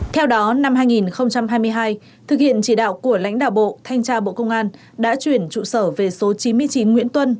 theo đó năm hai nghìn hai mươi hai thực hiện chỉ đạo của lãnh đạo bộ thanh tra bộ công an đã chuyển trụ sở về số chín mươi chín nguyễn tuân